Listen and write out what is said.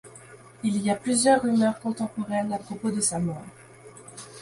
Il y a plusieurs rumeurs contemporaines à propos de sa mort.